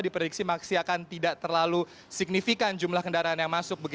diprediksi masih akan tidak terlalu signifikan jumlah kendaraan yang masuk